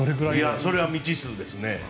それは未知数ですね。